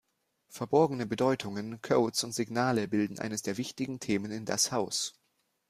Verborgene Bedeutungen, Codes und Signale bilden eines der wichtigen Themen in "Das Haus".